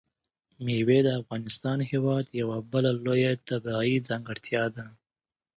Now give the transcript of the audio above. مېوې د افغانستان هېواد یوه بله لویه طبیعي ځانګړتیا ده.